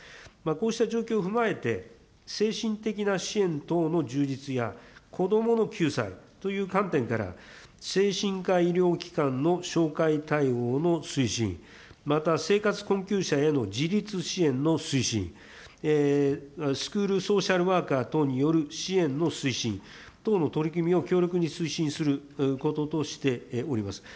こうした状況を踏まえて、精神的な支援等の充実や、子どもの救済という観点から、精神科医療機関の紹介対応の推進、また、生活困窮者への自立支援の推進、スクールソーシャルワーカー等による支援の推進等の取り組みを強力に推進することとしております。